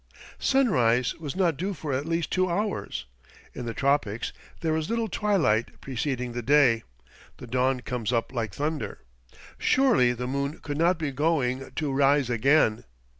Sunrise was not due for at least two hours. In the tropics there is little twilight preceding the day; "the dawn comes up like thunder." Surely the moon could not be going to rise again!